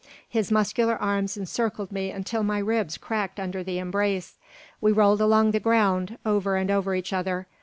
His muscular arms encircled me until my ribs cracked under the embrace. We rolled along the ground, over and over each other.